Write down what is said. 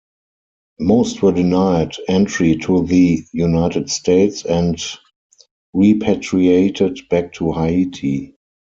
Most were denied entry to the United States and repatriated back to Haiti.